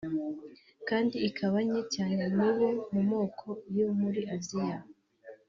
kandi ikaba nke cyane mu bo mu moko yo muri Aziya